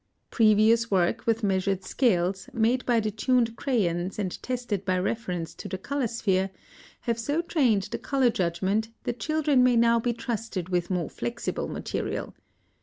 Previous work with measured scales, made by the tuned crayons and tested by reference to the color sphere, have so trained the color judgment that children may now be trusted with more flexible material.